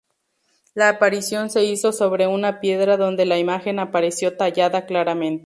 La aparición se hizo sobre una piedra donde la imagen apareció tallada claramente.